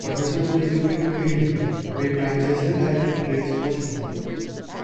The formation of the European Union made transnational hiking trails possible.